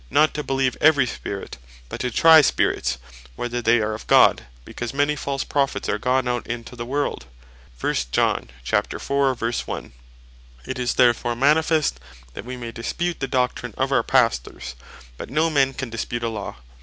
"Not to beleeve every Spirit, but to try the Spirits whether they are of God, because many false Prophets are gone out into the world"? It is therefore manifest, that wee may dispute the Doctrine of our Pastors; but no man can dispute a Law.